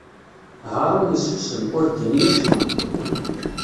Haṛun issusem, ur d-inni acemma.